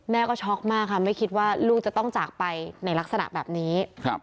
แม่ก็ช็อกมากค่ะไม่คิดว่าลูกจะต้องจากไปในลักษณะแบบนี้